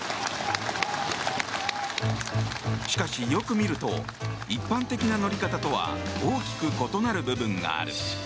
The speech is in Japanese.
しかし、よく見ると一般的な乗り方とは大きく異なる部分がある。